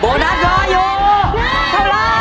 โบนัสรออยู่เท่าไร